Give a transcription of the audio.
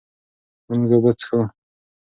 مونږ اوبه څښو.